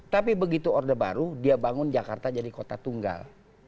tapi begitu orde baru dia bangun jakarta jadi kota tunggal